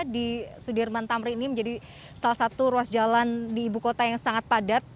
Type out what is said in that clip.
di sudirman tamrin ini menjadi salah satu ruas jalan di ibu kota yang sangat padat